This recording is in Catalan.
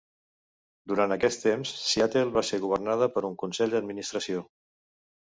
Durant aquest temps, Seattle va ser governada per un consell d'administració.